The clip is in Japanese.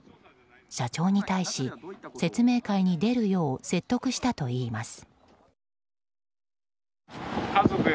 社長に対し、説明会に出るよう説得したといいます。